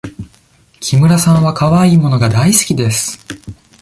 木村さんはかわいい物が大好きです。